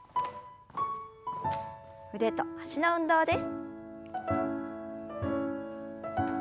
腕と脚の運動です。